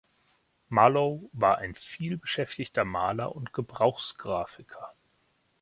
Mahlau war ein viel beschäftigter Maler und Gebrauchsgraphiker.